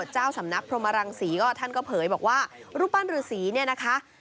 เจ้าสำนักพรหมรังศรีก็ท่านก็เผยบอกว่ารูปปั้นฤษีเนี่ยนะคะ